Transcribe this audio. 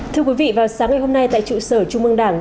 thưa quý vị vào sáng ngày hôm nay tại trụ sở trung mương đảng